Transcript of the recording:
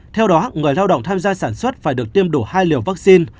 theo đó người lao động tham gia sản xuất phải được tiêm đủ hai liều vaccine